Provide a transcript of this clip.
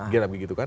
gila begitu kan